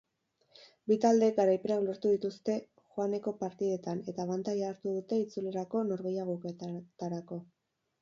Bi taldeek garaipenak lortu dituzte joaneko partidetan eta abantaila hartu dute itzulerako norgehiagoketetarako.